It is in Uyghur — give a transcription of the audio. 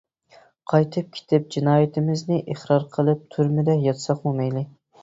قايتىپ كېتىپ جىنايىتىمىزنى ئىقرار قىلىپ، تۈرمىدە ياتساقمۇ مەيلى!